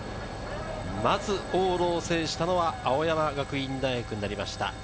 往路を制したのは青山学院大学になりました。